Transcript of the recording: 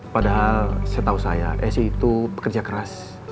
padahal saya tahu saya esih itu pekerja keras